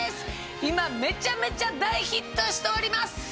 今めちゃめちゃ大ヒットしております！